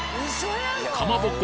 かまぼこ